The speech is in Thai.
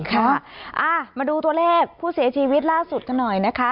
มาดูตัวเลขผู้เสียชีวิตล่าสุดกันหน่อยนะคะ